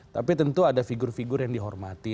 tapi tentu ada figur figur yang dihormati